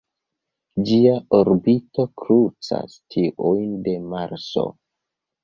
Ĝia orbito krucas tiujn de Marso.